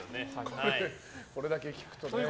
これだけ聞くとね。